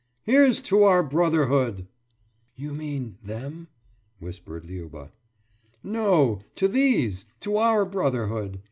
»Here's to our Brotherhood!« »You mean Them?« whispered Liuba. »No, these. To our Brotherhood!